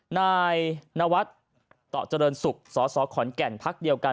นายนวตเจริญสุธิ์สสขอนแก่นพักเดียวกัน